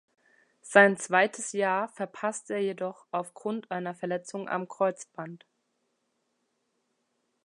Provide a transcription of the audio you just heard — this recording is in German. Sein zweites Jahr verpasste er jedoch aufgrund einer Verletzung am Kreuzband.